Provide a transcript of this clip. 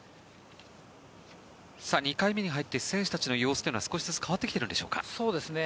２回目に入って選手たちの様子というのは少しずつ変わってきているんでしょうか？